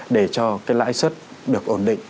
để cho cái lãi suất được ổn định